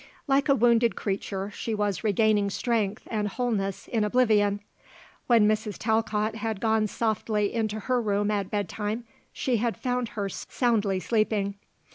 Like a wounded creature she was regaining strength and wholeness in oblivion. When Mrs. Talcott had gone softly into her room at bedtime, she had found her soundly sleeping.